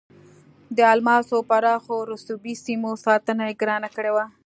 د الماسو پراخو رسوبي سیمو ساتنه یې ګرانه کړې وه.